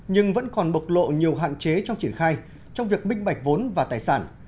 nhưng vẫn còn bộc lộ nhiều hạn chế trong triển khai trong việc minh bạch vốn và tài sản